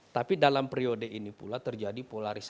tapi dalam periode ini pula terjadi polarisasi